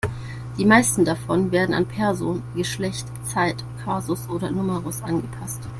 Die meisten davon werden an Person, Geschlecht, Zeit, Kasus oder Numerus angepasst.